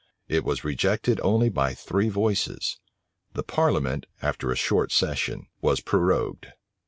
It was rejected only by three voices. The parliament, after a short session, was prorogued.